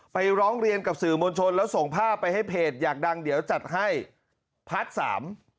ร้องเรียนกับสื่อมวลชนแล้วส่งภาพไปให้เพจอยากดังเดี๋ยวจัดให้พาร์ทสาม